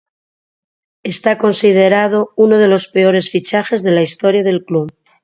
Está considerado uno de los peores fichajes de la historia del club.